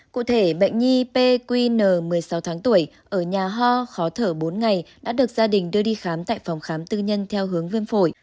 cụ thể bệnh nhi pqn một mươi sáu tháng tuổi ở nhà ho khó thở bốn ngày đã được gia đình đưa đi khám tại phòng khám tư nhân theo hướng viêm phổi